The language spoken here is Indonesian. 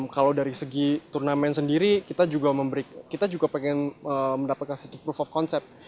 kalau dari segi turnamen sendiri kita juga pengen mendapatkan city proof of concept